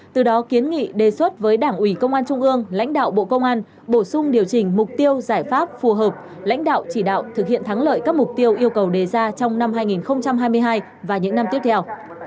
từ đó kiến nghị đề xuất với đảng ủy công an trung ương lãnh đạo bộ công an bổ sung điều chỉnh mục tiêu giải pháp phù hợp lãnh đạo chỉ đạo thực hiện thắng lợi các mục tiêu yêu cầu đề ra trong năm hai nghìn hai mươi hai và những năm tiếp theo